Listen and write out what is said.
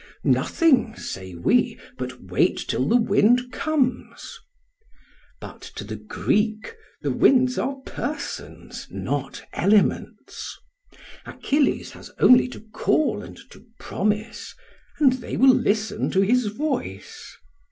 Nothing, say we, but wait till the wind comes. But to the Greek the winds are persons, not elements; Achilles has only to call and to promise, and they will listen to his voice.